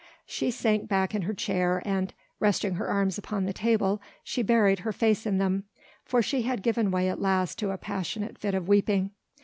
She sank back in her chair and, resting her arms upon the table, she buried her face in them, for she had given way at last to a passionate fit of weeping.